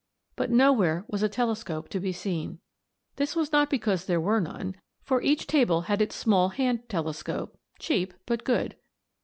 But nowhere was a telescope to be seen. This was not because there were none, for each table had its small hand telescope, cheap but good.